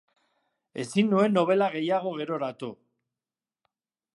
Ezin nuen nobela gehiago geroratu.